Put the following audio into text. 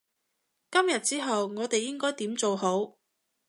今日之後我哋應該點做好？